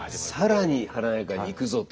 更に華やかに行くぞと。